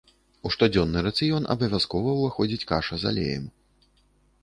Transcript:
У штодзённы рацыён абавязкова ўваходзіць каша з алеем.